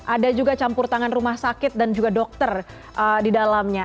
ada juga campur tangan rumah sakit dan juga dokter di dalamnya